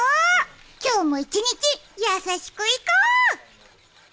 今日も一日、優しく行こう！